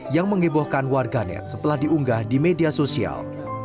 yang mengebohkan warganet setelah diunggah di media sosial